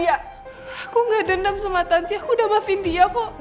aku gak dendam sama tanti aku udah maafin dia om